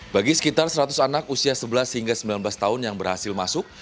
bagi sekitar seratus anak usia sebelas hingga sembilan belas tahun yang berhasil masuk